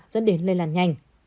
dẫn đến lây làn nhanh